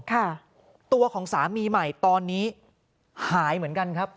ค่ะตัวของสามีใหม่ตอนนี้หายเหมือนกันครับ